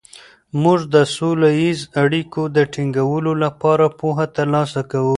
موږ د سوله ییزو اړیکو د ټینګولو لپاره پوهه ترلاسه کوو.